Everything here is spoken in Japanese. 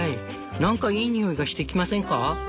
なんかいい匂いがしてきませんか？」。